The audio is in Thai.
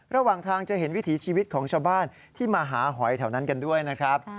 ระหว่างทางจะเห็นวิถีชีวิตของชาวบ้านที่มาหาหอยแถวนั้นกันด้วยนะครับ